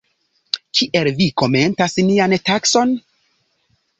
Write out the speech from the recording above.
Kiel vi komentas nian takson?